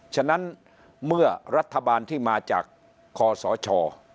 ฉะนั้นเมื่อรัฐบาลที่มาจากคอสช